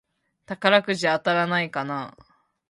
宝くじ当たらないかなぁ